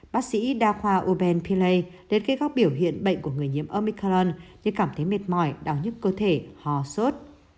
bác sĩ đa khoa uben pillay đến kết góc biểu hiện bệnh của người nhiễm omicron như cảm thấy mệt mỏi đau nhức cơ thể hò sốt